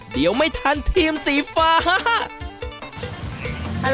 เดี๋ยวไม่ทันทีมสีฟ้า